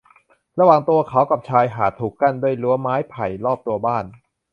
ระหว่างตัวเขากับชายหาดถูกกั้นด้วยรั้วไม้ไผ่รอบตัวบ้าน